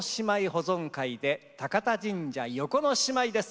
保存会で「高田神社横野獅子舞」です。